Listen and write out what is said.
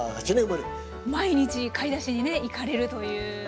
毎日買い出しにね行かれるという。